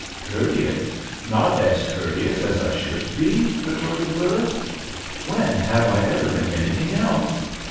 "Courteous? Not as courteous as I should be?" retorted Willis. "When have I ever been anything else?